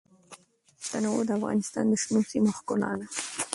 تنوع د افغانستان د شنو سیمو ښکلا ده.